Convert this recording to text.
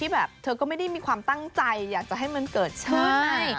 แบบเธอก็ไม่ได้มีความตั้งใจอยากจะให้มันเกิดขึ้น